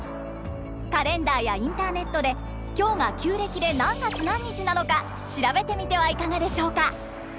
カレンダーやインターネットで今日が旧暦で何月何日なのか調べてみてはいかがでしょうか？